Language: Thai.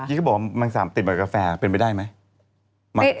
กิ๊กก็บอกว่ามังสามติดใบกาแฟเป็นไปได้ไหม